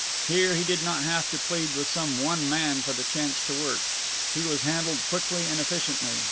Here he did not have to plead with some one man for the chance to work. He was handled quickly and efficiently.